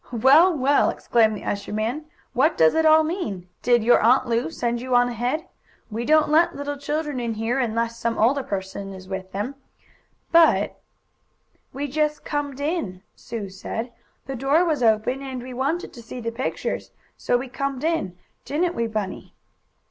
"Well, well!" exclaimed the usher man. "What does it all mean? Did your Aunt Lu send you on ahead? We don't let little children in here unless some older person is with them, but " "We just comed in," Sue said. "The door was open, and we wanted to see the pictures, so we comed in; didn't we Bunny?"